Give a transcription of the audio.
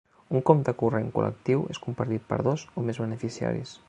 Un compte corrent col·lectiu és compartit per dos o més beneficiaris.